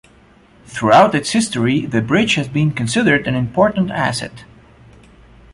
Throughout its history the bridge has been considered an important asset.